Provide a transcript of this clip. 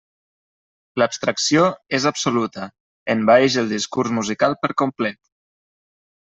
L'abstracció és absoluta: envaeix el discurs musical per complet.